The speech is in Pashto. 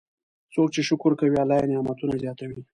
څوک چې شکر کوي، الله یې نعمتونه زیاتوي.